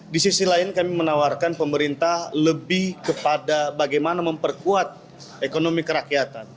di sisi lain kami menawarkan pemerintah lebih kepada bagaimana memperkuat ekonomi kerakyatan